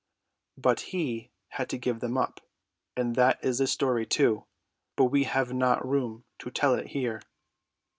But he had to give them up; and that is a story too, but we have not room to tell it here.